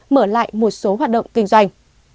mở lại một số hoạt động kinh doanh